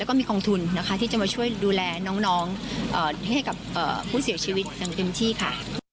แล้วก็มีกองทุนนะคะที่จะมาช่วยดูแลน้องให้กับผู้เสียชีวิตอย่างเต็มที่ค่ะ